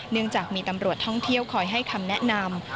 เนื่องจากมีตำรวจท่องเที่ยวคอยให้คำแนะนำ